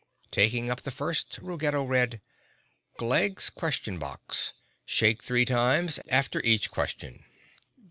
Taking up the first Ruggedo read, "Glegg's Question Box. Shake three times after each question."